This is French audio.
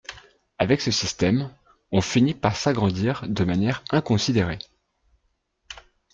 Avec ce système, on finit par s’agrandir de manière inconsidérée.